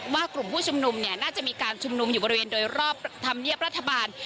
กลุ่มผู้ชุมนุมเนี่ยน่าจะมีการชุมนุมอยู่บริเวณโดยรอบธรรมเนียบรัฐบาล